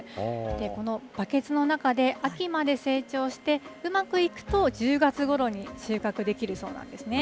このバケツの中で、秋まで成長して、うまくいくと１０月ごろに収穫できるそうなんですね。